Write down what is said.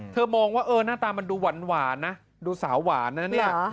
มองว่าเออหน้าตามันดูหวานนะดูสาวหวานนะเนี่ย